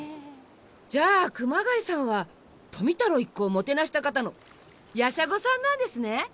じゃあ熊谷さんは富太郎一行をもてなした方のやしゃごさんなんですね！